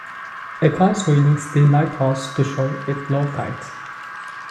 A causeway links the lighthouse to shore at low tide.